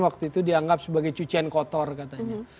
waktu itu dianggap sebagai cucian kotor katanya